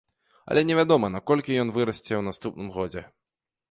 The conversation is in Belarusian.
Але невядома, на колькі ён вырасце ў наступным годзе.